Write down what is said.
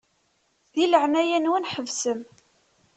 Di leɛnaya-nwen ḥebsem.